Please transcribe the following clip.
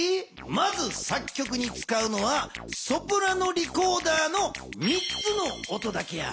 まず作曲に使うのはソプラノリコーダーの３つの音だけや。